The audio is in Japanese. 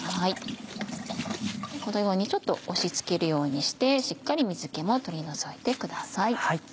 このようにちょっと押し付けるようにしてしっかり水気も取り除いてください。